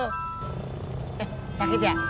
eh sakit ya